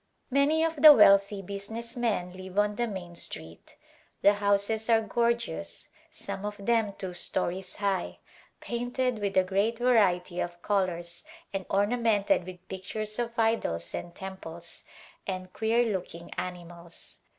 Many of the wealthy business men live on the main street. The houses are gorgeous, some of them two stories high, painted with a great variety of colors and ornamented with pictures of idols and temples and queer looking animals.